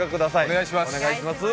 お願いします